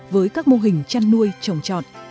với các mô hình chăn nuôi trồng trọt